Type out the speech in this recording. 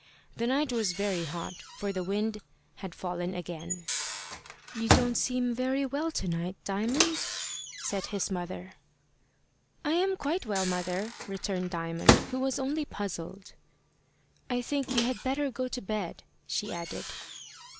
The night was very hot, for the wind had fallen again. "You don't seem very well to night, Diamond," said his mother. "I am quite well, mother," returned Diamond, who was only puzzled. "I think you had better go to bed," she added.